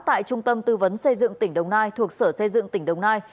tại trung tâm tư vấn xây dựng tỉnh đồng nai thuộc sở xây dựng tỉnh đồng nai